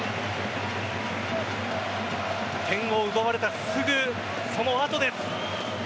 点を奪われたすぐそのあとです。